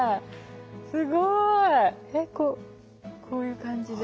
すごいこういう感じで。